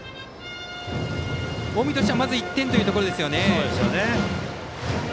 近江としてはまず１点というところですね。